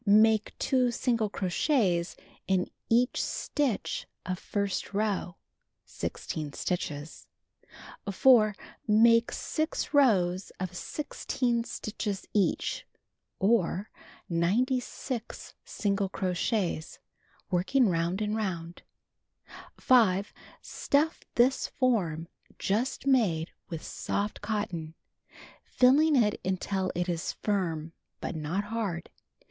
Make 2 single crochets in each stitch of first row (16 stitches). 4. Make 6 rows of 16 stitches each, or 96 single crochets, working round and round. 5. Stuff this form just made with soft cotton, filling it until it is firm but not hard.